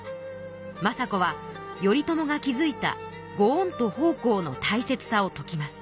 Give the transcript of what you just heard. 政子は頼朝が築いたご恩と奉公のたいせつさを説きます。